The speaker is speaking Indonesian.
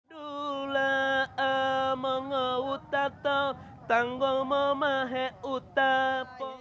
dula'a mengautato tanggung memahe utapo